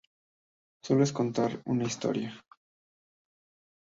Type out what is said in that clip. Solo es contar una historia.